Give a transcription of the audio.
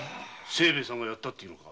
清兵衛さんがやったというのか。